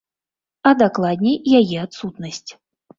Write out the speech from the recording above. А дакладней, яе адсутнасць.